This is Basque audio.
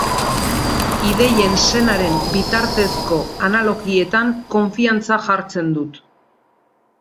Ideien senaren bitartezko analogietan konfiantza jartzen dut.